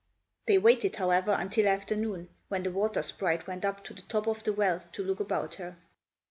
They waited, however, until afternoon, when the water sprite went up to the top of the well to look about her.